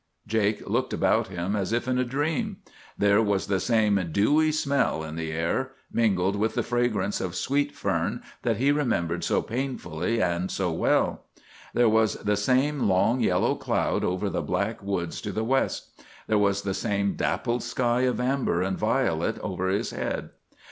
Jake looked about him as if in a dream. There was the same dewy smell in the air, mingled with the fragrance of sweet fern, that he remembered so painfully and so well. There was the same long yellow cloud over the black woods to the west. There was the same dappled sky of amber and violet over his head.